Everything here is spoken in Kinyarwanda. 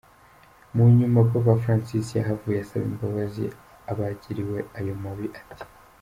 Mu nyuma Papa Francis yahavuye asaba imbabazi abigiriwe ayo mabi ati :.